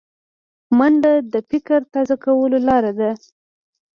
منډه د فکر تازه کولو لاره ده